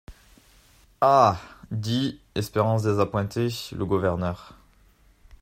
Ah ! dit Espérance désappointé, le gouverneur.